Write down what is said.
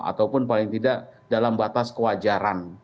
ataupun paling tidak dalam batas kewajaran